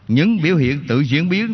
những biểu hiện tự diễn biến